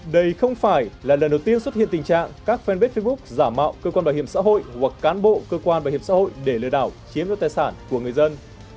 đây không phải là lần đầu tiên xuất hiện tình trạng các fanpage facebook giả mạo cơ quan bảo hiểm xã hội hoặc cán bộ cơ quan bảo hiểm xã hội để lừa đảo chiếm đoạt tài sản của người dân